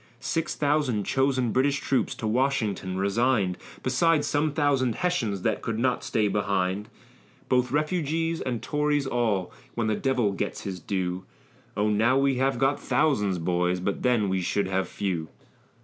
Six thousand chosen British troops to Washington resign'd, Besides some thousand Hessians that could not stay behind; Both refugees and Tories all, when the devil gets his due, O now we have got thousands, boys, but then we should have few.